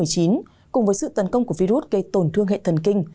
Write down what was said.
cùng với sự tấn công của virus gây tổn thương hệ thần kinh